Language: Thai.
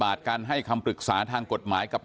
ลุงพลบอกว่าอันนี้ก็ไม่เกี่ยวข้องกันเพราะจะให้มันจบกันไป